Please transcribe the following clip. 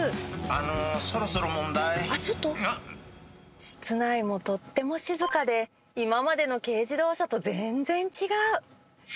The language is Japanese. あのそろそろ問題室内もとっても静かで今までの軽自動車と全然違う。